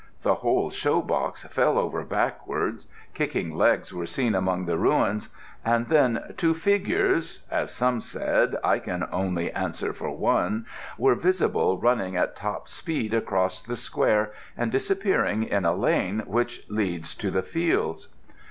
The whole show box fell over backwards; kicking legs were seen among the ruins, and then two figures as some said; I can only answer for one were visible running at top speed across the square and disappearing in a lane which leads to the fields.